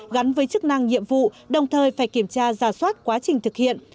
gắn với chức năng nhiệm vụ đồng thời phải kiểm tra giả soát quá trình thực hiện